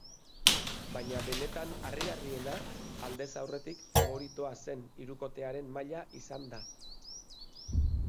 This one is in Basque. Baina benetan harrigarriena aldez aurretik faboritoa zen hirukotearen maila izan da.